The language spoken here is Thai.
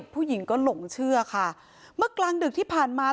ผู้หญิงก็หลงเชื่อค่ะเมื่อกลางดึกที่ผ่านมา